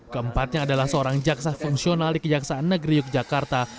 keempatnya adalah seorang jaksa fungsional di kejaksaan negeri yogyakarta